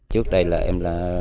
trước đây là em là